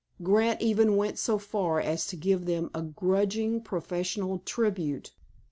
Grant even went so far as to give them a grudging professional tribute.